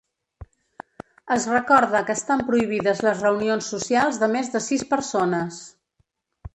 Es recorda que estan prohibides les reunions socials de més de sis persones.